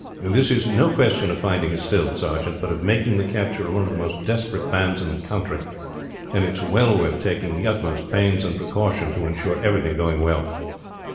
This is no question of finding a still, sergeant, but of making the capture of one of the most desperate bands in the country; and it is well worth taking the utmost pains and precaution to insure everything going well."